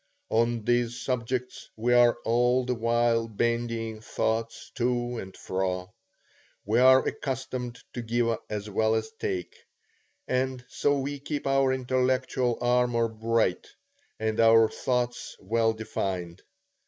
On these subjects we are all the while bandying thoughts to and fro; we are accustomed to give as well as take; and so we keep our intellectual armor bright, and our thoughts well defined.